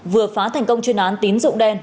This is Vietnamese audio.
vừa phá thành công chuyên án tín dụng đen